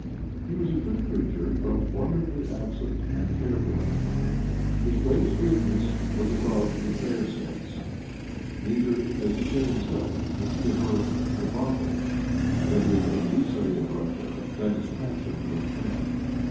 He was a good creature, but wonderfully absent and hare brained. His greatest weakness was a love of the fair sex. Neither, as he said himself, was he averse to the bottle, that is, as we say in Russia, that his passion was drink.